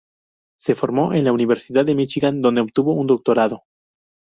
Se formó en la Universidad de Míchigan, donde obtuvo un doctorado.